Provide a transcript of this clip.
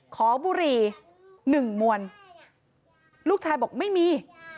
เคาะบุรีหนึ่งมวลลูกชายบอกไม่มี